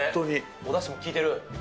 おだしも利いてる。